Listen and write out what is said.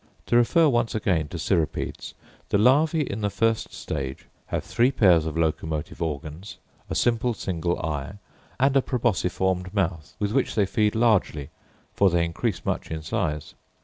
To refer once again to cirripedes: the larvæ in the first stage have three pairs of locomotive organs, a simple single eye, and a probosciformed mouth, with which they feed largely, for they increase much in size.